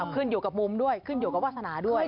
ขึ้นอยู่กับมุมด้วยขึ้นอยู่กับวาสนาด้วย